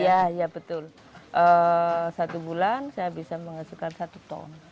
iya iya betul satu bulan saya bisa menghasilkan satu ton